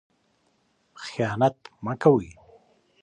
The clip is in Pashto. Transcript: خیانت مه کوئ.